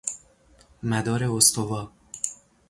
مدار استوا